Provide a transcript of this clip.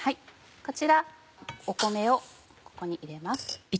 こちら米をここに入れます。